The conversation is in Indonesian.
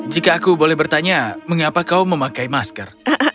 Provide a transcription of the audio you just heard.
jika aku boleh bertanya mengapa kau memakai masker